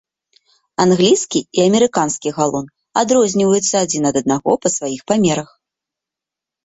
Англійскі і амерыканскі галон адрозніваюцца адзін ад аднаго па сваіх памерах.